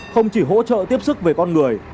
không chỉ hỗ trợ tiếp sức về con người